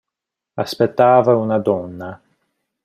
Aspettava una donna.